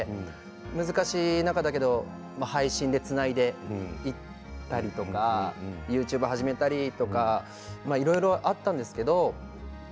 難しい中だけど配信でつないでいったりとかＹｏｕＴｕｂｅを始めたりとかいろいろあったんですけれど。